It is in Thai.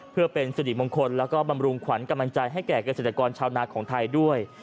เพื่อเป็นสิริมงคลแล้วก็บำรุงขวัญกำลังใจให้แก่เกษตรกรชาวนาของไทยด้วย